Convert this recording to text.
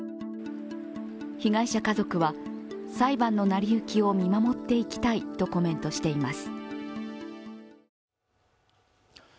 被害者家族は、裁判の成り行きを見守っていきたいとコメントしています。